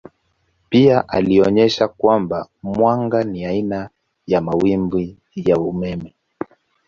Pia alionyesha kwamba mwanga ni aina ya mawimbi ya umeme.